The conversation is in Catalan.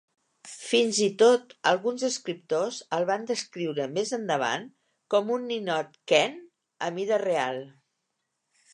Fins i tot alguns escriptors el van descriure més endavant com un ninot Ken a mida real.